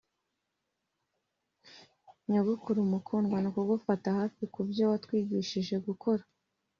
nyogokuru mukundwa, nukugufata hafi kubyo watwigishije gukora,